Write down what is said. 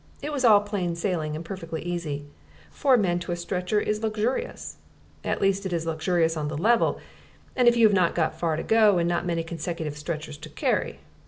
It was all plain sailing and perfectly easy. Four men to a stretcher is luxurious. At least it is luxurious on the level, and if you have not far to go and not many consecutive stretchers to carry.